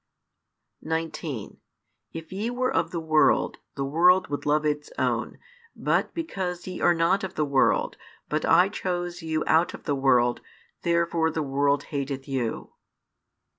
19 If ye were of the world, the world would love its own: but because ye are not of the world, but I chose you out of the world, therefore the world hateth you.